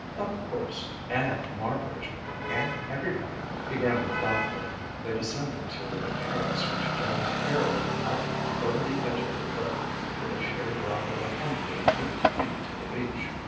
"Of course and Marbridge and everybody!" He grunted thoughtfully. They descended to a terrace which jutted airily out over the edge of a cliff, with a sheer drop of a hundred and fifty feet to the beach.